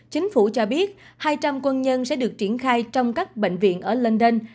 chính phủ cho biết hai trăm linh quân nhân sẽ được triển khai trong các bệnh viện ở london